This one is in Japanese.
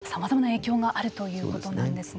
家庭内暴力にまでさまざまな影響があるということなんですね。